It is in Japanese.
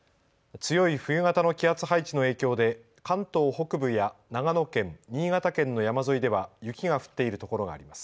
強い冬型の気圧配置の影響で関東北部や長野県、新潟県の山沿いでは雪が降っているところがあります。